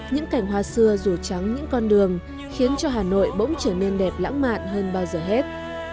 những cảnh hoa xưa rù trắng những con đường khiến cho hà nội bỗng trở nên đẹp lãng mạn hơn bao giờ hết